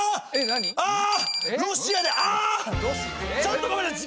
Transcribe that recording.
ちょっとごめんなさい！